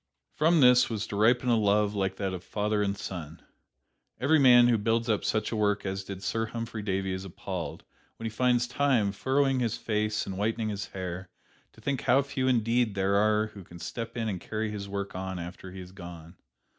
From this was to ripen a love like that of father and son. Every man who builds up such a work as did Sir Humphry Davy is appalled, when he finds Time furrowing his face and whitening his hair, to think how few indeed there are who can step in and carry his work on after he is gone.